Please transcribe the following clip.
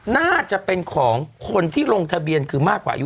น่าจะเป็นของคนที่ลงทะเบียนคือมากกว่าอายุ